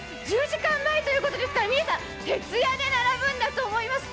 １０時間前ということですから、皆さん、徹夜で並ぶんだと思います。